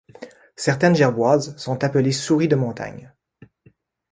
Certaines gerboises sont appelées souris de montagne.